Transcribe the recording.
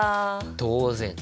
当然。